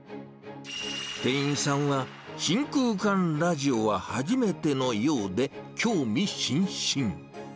店員さんは真空管ラジオは初めてのようで、興味津々。